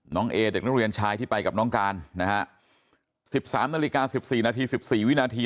เอเด็กนักเรียนชายที่ไปกับน้องการนะฮะ๑๓นาฬิกา๑๔นาที๑๔วินาที